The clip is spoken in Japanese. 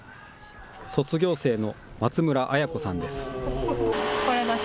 卒業生の松村彩子さんです。